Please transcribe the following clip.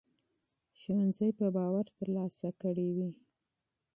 ښوونځي به باور ترلاسه کړی وي.